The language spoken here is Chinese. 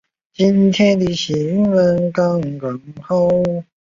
东莱县被升格为东莱都护府。